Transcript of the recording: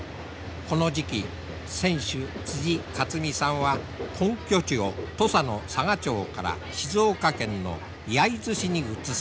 この時期船主一水さんは根拠地を土佐の佐賀町から静岡県の焼津市に移す。